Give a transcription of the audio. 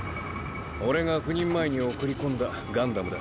俺が赴任前に送り込んだガンダムだ。